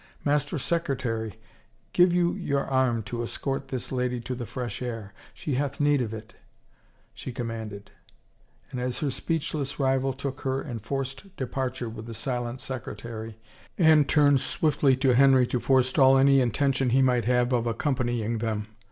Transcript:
" Master Secretary, give you your arm to escort this lady to the fresh air — she. hath need of it," she com manded, and as her speechless rival took her enforced departure with the silent secretary, Anne turned swiftly to Henry to forestall any intention he might have of ac companying them.